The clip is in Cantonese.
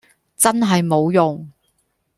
真係冇用